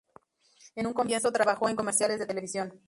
En un comienzo trabajó en comerciales de televisión.